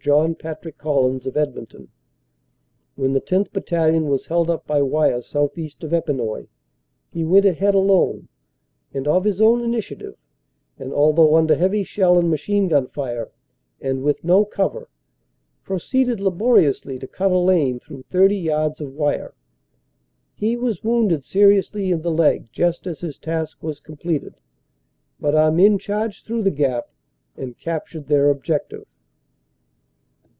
John Patrick Collins of Edmonton. When the 10th. Battalion was held up by wire southeast of Epinoy he went ahead alone and of his own initiative and although under heavy shell and machine gun fire and with no cover, proceeded laboriously to cut a lane through 30 yards of wire. He was wounded ser iously in the leg just as his task was completed, but our men charged through the gap and captured their objective.